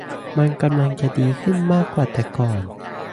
มันกำลังจะดีขึ้นมากกว่าแต่ก่อน